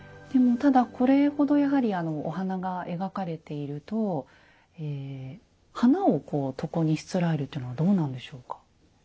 ただこれほどやはりお花が描かれていると花を床にしつらえるというのはどうなんでしょうか？